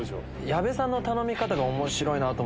矢部さんの頼み方が面白いなと。